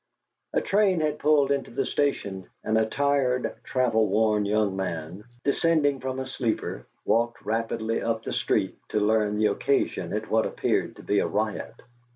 A train had pulled into the station, and a tired, travel worn young man, descending from a sleeper, walked rapidly up the street to learn the occasion of what appeared to be a riot.